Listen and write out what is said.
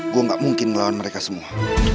gue gak mungkin melawan mereka semua